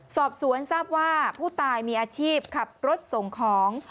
สอบสวนทราบว่าผู้ตายมีอาชีพขับรถส่งของ